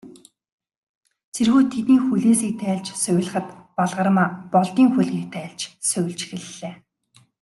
Цэргүүд тэдний хүлээсийг тайлж, сувилахад, Балгармаа Болдын хүлгийг тайлж сувилж эхэллээ.